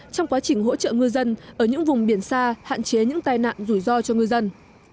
trong quá trình hỗ trợ ngư dân ở những vùng biển xa hạn chế những tai nạn rủi ro cho ngư dân